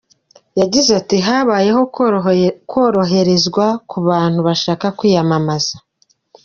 Yagize ati “Habayeho koroherezwa ku bantu bashaka kwiyamamaza.